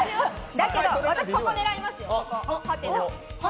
だけど、私、ここを狙います。